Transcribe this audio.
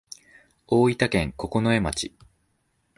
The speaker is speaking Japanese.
大分県九重町